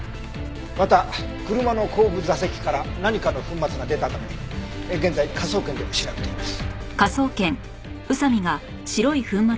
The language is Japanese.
また車の後部座席から何かの粉末が出たため現在科捜研で調べています。